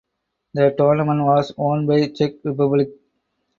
The tournament was won by Czech Republic.